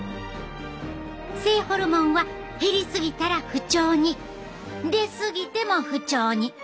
性ホルモンは減りすぎたら不調に出すぎても不調に！